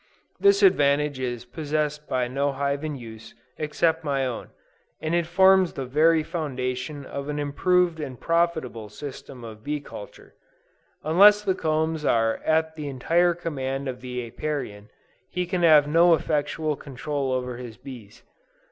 This advantage is possessed by no hive in use, except my own; and it forms the very foundation of an improved and profitable system of bee culture. Unless the combs are at the entire command of the Apiarian, he can have no effectual control over his bees.